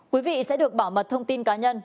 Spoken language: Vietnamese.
quý vị sẽ được bảo mật thông tin cá nhân